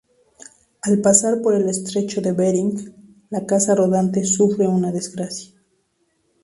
Al pasar por el Estrecho de Bering, la casa rodante sufre una desgracia.